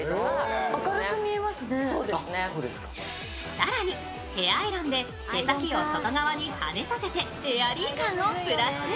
更にヘアアイロンで毛先を外側にはねさせて、エアリー感をプラス。